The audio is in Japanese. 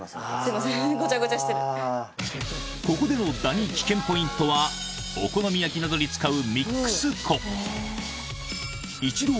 ここでのダニ危険ポイントはお好み焼きなどに使う